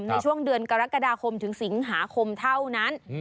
ในช่วงเดือนกรกฎาคมถึงสิงหาคมเท่านั้น